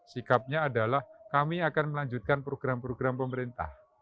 sikapnya adalah kami akan melanjutkan program program pemerintah